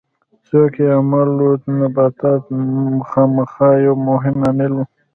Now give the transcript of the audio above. څوک یې عامل وو؟ نباتات خامخا یو مهم عامل و.